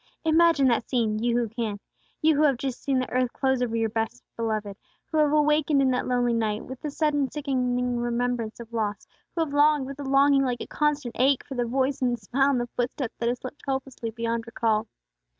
Imagine that scene, you who can, you who have just seen the earth close over your best beloved; who have awakened in the lonely night, with that sudden sickening remembrance of loss; who have longed, with a longing like a constant ache, for the voice and the smile and the footstep that have slipped hopelessly beyond recall.